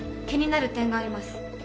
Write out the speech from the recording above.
気になる点があります。